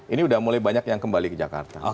ini udah mulai banyak yang kembali ke jakarta